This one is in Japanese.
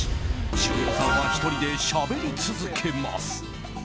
白岩さんは１人でしゃべり続けます。